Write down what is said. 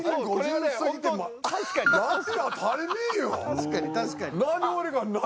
確かに確かに。